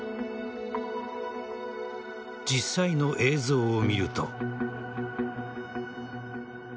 実際の映像を見ると。